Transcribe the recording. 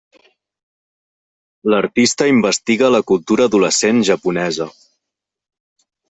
L'artista investiga la cultura adolescent japonesa.